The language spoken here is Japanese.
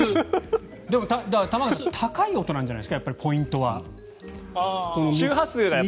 でも、玉川さん高い音なんじゃないですか？